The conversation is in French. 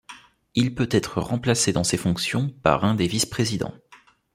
Il peut être remplacé dans ces fonctions par un des vice-présidents.